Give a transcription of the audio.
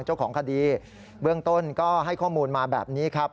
เจ้าของคดีเบื้องต้นก็ให้ข้อมูลมาแบบนี้ครับ